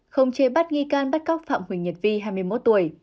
không chế bắt nghi can bắt cóc phạm huỳnh nhật vi hai mươi một tuổi